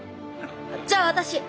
じゃあ私！